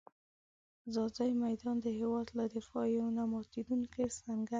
ځاځي میدان د هېواد له دفاع یو نه ماتېدونکی سنګر دی.